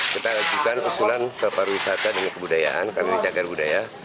kita ajukan usulan ke pariwisata dengan kebudayaan karena ini jagar budaya